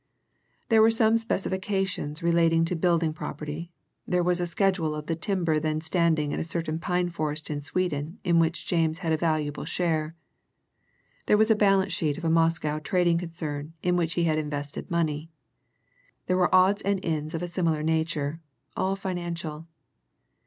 There were some specifications relating to building property; there was a schedule of the timber then standing in a certain pine forest in Sweden in which James had a valuable share; there was a balance sheet of a Moscow trading concern in which he had invested money; there were odds and ends of a similar nature all financial.